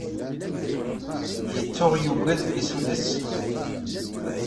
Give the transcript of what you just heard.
Yettuɣ yugged i sulles.